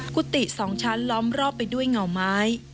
กุฏิ๒ชั้นล้อมรอบไปด้วยเหงาไม้